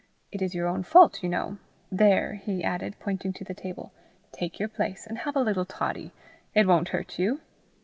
It is your own fault, you know. There," he added, pointing to the table; "take your place, and have a little toddy. It won't hurt you."